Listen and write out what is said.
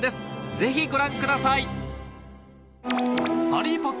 ぜひご覧ください！